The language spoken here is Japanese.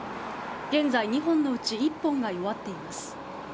現在２本のうち１本が弱っています。